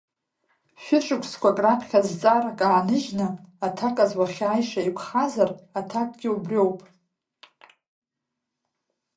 Шәышықәсақәак раԥхьа зҵаарак ааныжьны, аҭаказ уахьааиша еиқәхазар, аҭакгьы убриоуп…